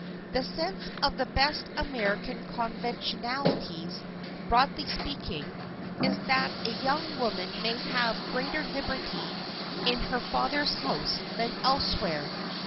The sense of the best American conventionalities, broadly speaking, is that a young woman may have greater liberty in her father's house than elsewhere.